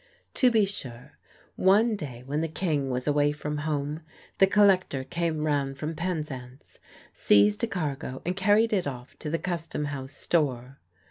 To be sure, one day when the King was away from home, the collector came round from Penzance, seized a cargo, and carried it off to the Custom House store.